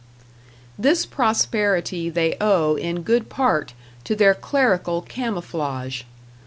This prosperity they owe in good part to their clerical camouflage.